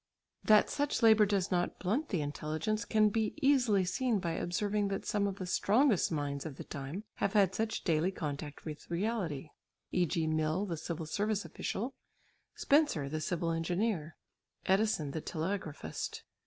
That such labour does not blunt the intelligence can be easily seen by observing that some of the strongest minds of the time have had such daily contact with reality, e.g. Mill the civil service official, Spencer, the civil engineer, Edison the telegraphist.